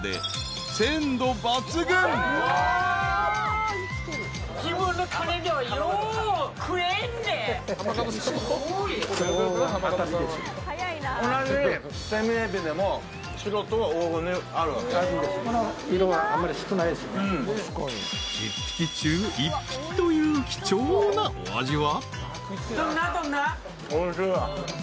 ［１０匹中１匹という貴重なお味は］